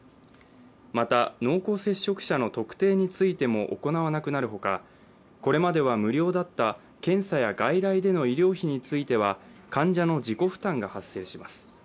また濃厚接触者の特定についても行わなくなるほかこれまでは無料だった検査や外来での医療費については患者の自己負担が発生します。